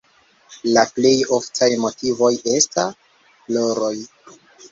La plej oftaj motivoj esta floroj.